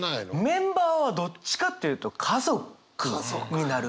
メンバーはどっちかっていうと家族になるかな。